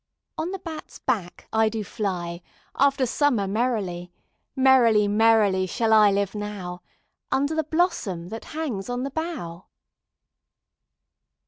On the bat's back I do fly After summer merrily: 5 Merrily, merrily, shall I live now, Under the blossom that hangs on the bough.